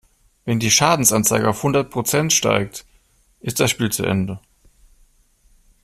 Wenn die Schadensanzeige auf hundert Prozent steigt, ist das Spiel zu Ende.